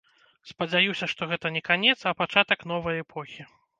Спадзяюся, што гэта не канец, а пачатак новай эпохі.